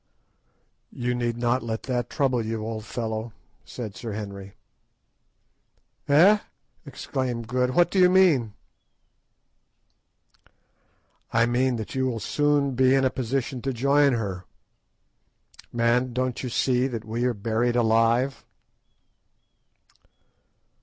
"You need not let that trouble you, old fellow," said Sir Henry. "Eh!" exclaimed Good; "what do you mean?" "I mean that you will soon be in a position to join her. _Man, don't you see that we are buried alive?